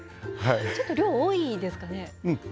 ちょっと量、多いですかね。